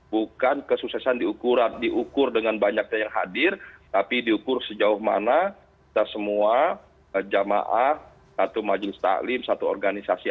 bukan kesuksesan diukur dengan banyaknya yang hadir tapi diukur sejauh mana kita semua jamaah satu majelis taklim satu organisasi